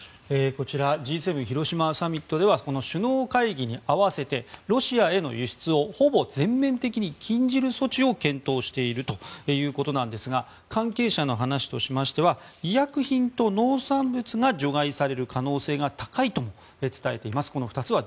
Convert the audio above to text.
Ｇ７広島サミットでは首脳会議に合わせてロシアへの輸出をほぼ全面的に禁じる措置を検討しているということですが関係者の話としましては医薬品と農産物が除外される可能性が高いと伝えています。